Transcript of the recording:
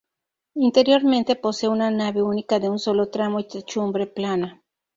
Interiormente posee nave única de un solo tramo y techumbre plana.